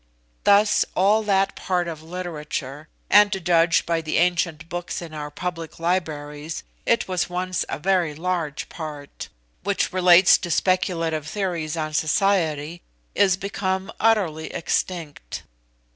Thus all that part of literature (and to judge by the ancient books in our public libraries, it was once a very large part), which relates to speculative theories on society is become utterly extinct.